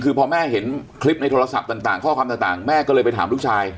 คือพอแม่เห็นคลิปในโทรศัพท์ต่างข้อความต่างแม่ก็เลยไปถามลูกชาย